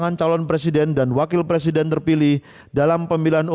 menutup ekanderoroloci oxfator perumahan